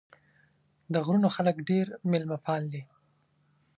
د غرونو خلک ډېر مېلمه پال دي.